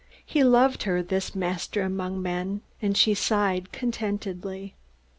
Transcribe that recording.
He loved her, this master among men, and she sighed contentedly.